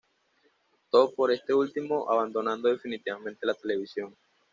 Optó por este último, abandonando definitivamente la televisión.